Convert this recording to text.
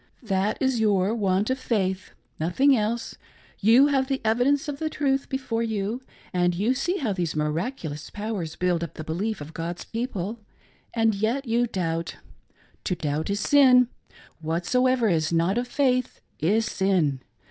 " That is your want of faith — ^nothing else ; you have the evidence of the truth before you, and you see how these miraculous powers build up the belief of God's people ; and yet you doubt. To doubt is sin: whatsoever is not of faith is sin.